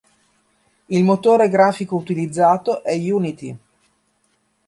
Il motore grafico utilizzato è Unity.